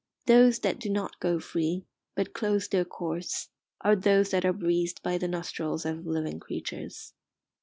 Those that do not go free, but close their course, are those that are breathed by the nostrils of living creatures.